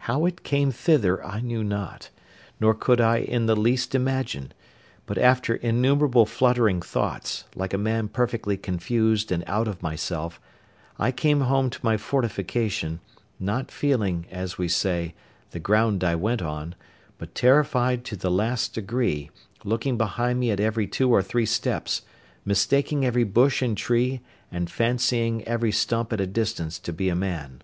How it came thither I knew not, nor could I in the least imagine; but after innumerable fluttering thoughts, like a man perfectly confused and out of myself, I came home to my fortification, not feeling, as we say, the ground I went on, but terrified to the last degree, looking behind me at every two or three steps, mistaking every bush and tree, and fancying every stump at a distance to be a man.